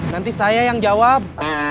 nanti saya yang jawab